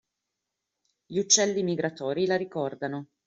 Gli uccelli migratori la ricordano